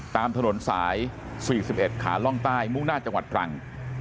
ตามถนนสาย๔๑ขาล่องใต้มุ่งหน้าจังหวัดตรัง